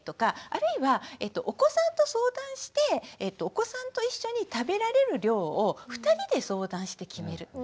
あるいはお子さんと相談してお子さんと一緒に食べられる量を２人で相談して決める。